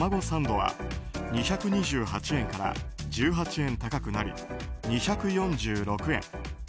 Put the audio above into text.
サンドは２２８円から１８円高くなり２４６円。